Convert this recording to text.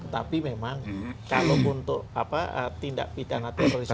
tapi memang kalau untuk tindak pidana terorisme